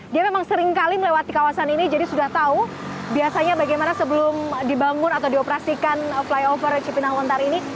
dia memang seringkali melewati kawasan ini jadi sudah tahu biasanya bagaimana sebelum dibangun atau dioperasikan flyover cipinang lontar ini